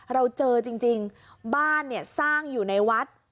เราเจอจริงบ้านเนี่ยสร้างอยู่ในวัด